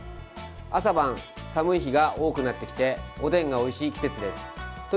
朝晩、寒い日が多くなってきておでんがおいしい